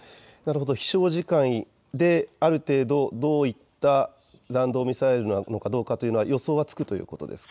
飛しょう時間である程度どういった弾道ミサイルなのかというのは予想がつくということですか。